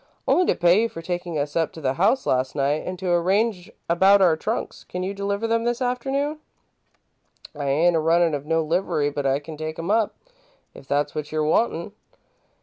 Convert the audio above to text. "Only to pay you for taking us up to the house last night, and to arrange about our trunks. Can you deliver them this afternoon?" "I ain't a runnin' of no livery, but I can take 'em up, if that's what you're wantin'."